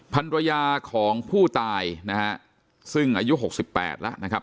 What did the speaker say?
ภรรยาของผู้ตายนะฮะซึ่งอายุหกสิบแปดแล้วนะครับ